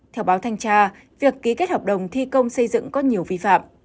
theo báo thanh tra việc ký kết hợp đồng thi công xây dựng có nhiều vi phạm